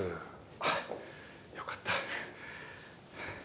あっよかった。